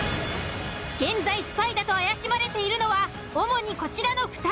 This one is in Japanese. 現在スパイだと怪しまれているのは主にこちらの２人。